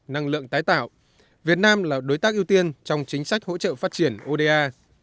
năng lượng tái tạo việt nam là đối tác ưu tiên trong chính sách hỗ trợ phát triển oda